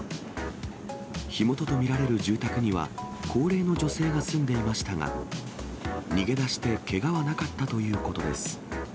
火元と見られる住宅には、高齢の女性が住んでいましたが、逃げ出して、けがはなかったということです。